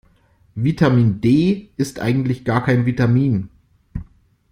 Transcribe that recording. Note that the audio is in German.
Vitamin D ist eigentlich gar kein Vitamin.